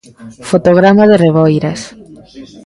Fotograma de Reboiras.